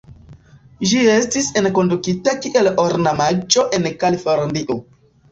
Ĝi estis enkondukita kiel ornamaĵo en Kalifornio.